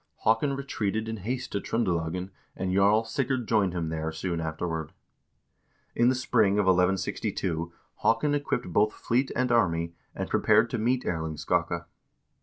Haakon re treated in haste to Tr0ndelagen, and Jarl Sigurd joined him there soon afterward. In the spring of 1162 Haakon equipped both fleet and army, and prepared to meet Erling Skakke.